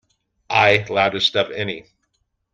I loudest of any.